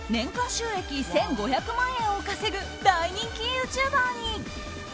収益１５００万円を稼ぐ大人気ユーチューバーに。